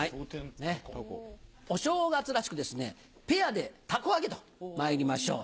お正月らしくペアで凧揚げとまいりましょう。